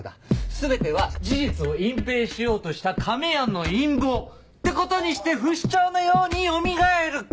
全ては事実を隠蔽しようとした亀やんの陰謀！ってことにして不死鳥のようによみがえる！